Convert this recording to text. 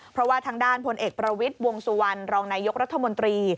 เพราะว่าทางด้านพลเอกประวิทย์วงสุวรรณรองนายกรัฐมนตรี